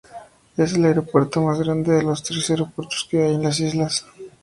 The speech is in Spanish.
Es el aeropuerto más grande de los tres aeropuertos que hay en las islas.